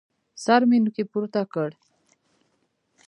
سر مې نوکى پورته کړ.